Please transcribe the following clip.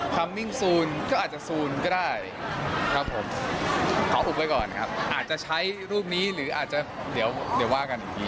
มิ่งซูนก็อาจจะซูนก็ได้ครับผมขออุบไว้ก่อนครับอาจจะใช้รูปนี้หรืออาจจะเดี๋ยวว่ากันอีกที